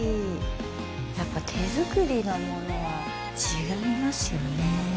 やっぱ手作りの物は違いますよね。